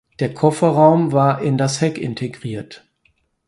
Der Kofferraum war in das Heck integriert.